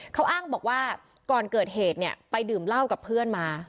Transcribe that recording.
เขาอ้างบอกว่าก่อนเกิดเหตุเนี่ยไปดื่มเหล้ากับเพื่อนมา